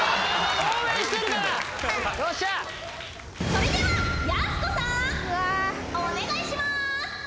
それではやす子さん。お願いします。